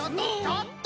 ちょっと！